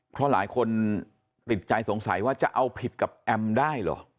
เพราะหลายคนติดใจสงสัยว่าจะเอาผิดกับแอมได้เหรอ